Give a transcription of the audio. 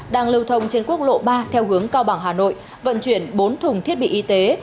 đang lưu thông trên quốc lộ ba theo hướng cao bằng hà nội vận chuyển bốn thùng thiết bị y tế